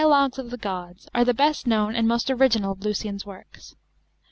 The "Dialogues of the Gods"* are the best known and most original of Lucian's works.